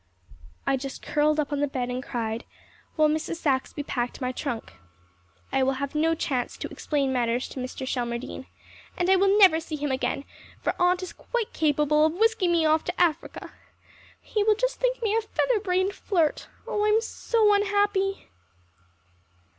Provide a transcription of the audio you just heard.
I just curled up on the bed and cried, while Mrs. Saxby packed my trunk. I will have no chance to explain matters to Mr. Shelmardine. And I will never see him again, for Aunt is quite capable of whisking me off to Africa. He will just think me a feather brained flirt. Oh, I am so unhappy!